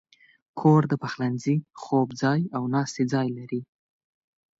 کور د پخلنځي، خوب ځای، او ناستې ځای لري.